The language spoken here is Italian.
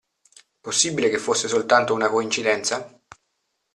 Possibile che fosse soltanto una coincidenza?